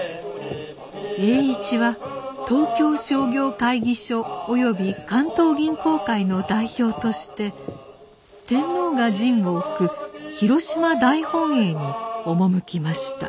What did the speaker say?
栄一は東京商業会議所および関東銀行会の代表として天皇が陣を置く広島大本営に赴きました。